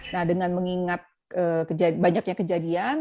nah dengan mengingat kejadian